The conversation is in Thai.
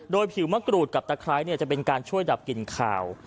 โดยผิวมะกรูดกับตะไคร้จะเป็นการช่วยดับกลิ่นขาว